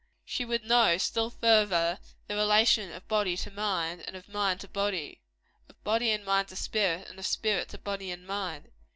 She would know, still further, the relation of body to mind, and of mind to body of body and mind to spirit, and of spirit to body and mind.